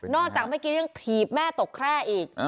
นอกจากไม่กินยังถีบแม่ตกแคร่อีก